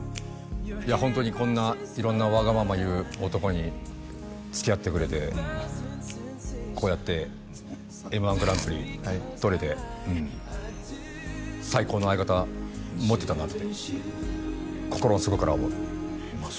いやホントにこんな色んなわがまま言う男につきあってくれてこうやってＭ−１グランプリ取れて最高の相方持てたなって心の底から思うまあ